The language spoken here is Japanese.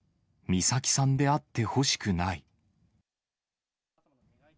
美咲さんであってほしくない。